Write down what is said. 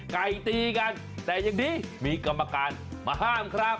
ไก่ตีกันแต่ยังดีมีกรรมการมาห้ามครับ